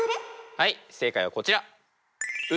はい正解はこちら。